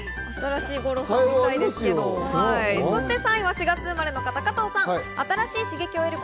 ３位は４月生まれの方、加藤さん。